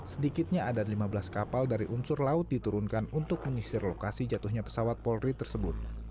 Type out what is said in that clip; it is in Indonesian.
sedikitnya ada lima belas kapal dari unsur laut diturunkan untuk mengisir lokasi jatuhnya pesawat polri tersebut